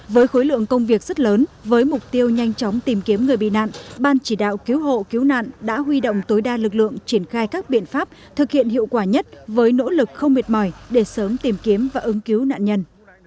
với khối lượng công việc rất lớn với mục tiêu nhanh chóng tìm kiếm người bị nạn ban chỉ đạo cứu hộ cứu nạn đã huy động tối đa lực lượng triển khai các biện pháp thực hiện hiệu quả nhất với nỗ lực không mệt mỏi để sớm tìm kiếm và ứng cứu nạn nhân